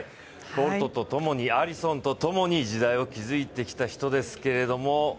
ボルトとともに、アリソンとともに時代を築いてきた人ですけれども。